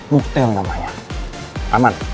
mukhtel namanya aman